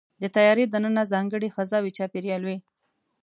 د طیارې دننه ځانګړی فضاوي چاپېریال وي.